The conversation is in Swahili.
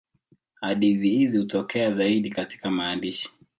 Hadithi hizi hutokea zaidi katika maandishi.